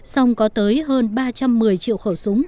song có tới hơn ba trăm một mươi triệu khẩu súng